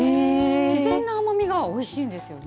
自然な甘みがおいしいんですよね。